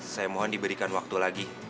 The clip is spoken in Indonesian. saya mohon diberikan waktu lagi